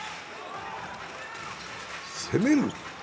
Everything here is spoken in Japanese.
攻める？